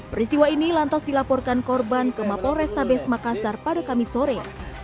peristiwa ini lantas dilaporkan korban ke mapol restabes makassar pada kamis sore